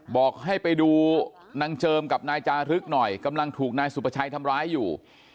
บอกให้ไปดูนางเจิมกับนายจารึกหน่อยกำลังถูกนายสุประชัยทำร้ายอยู่